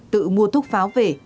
tự mua thuốc pháo về